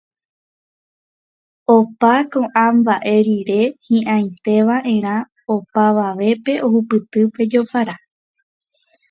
Opa ko'ã mba'e rire, hi'ãiteva'erã opavavépe ohupyty pe jopara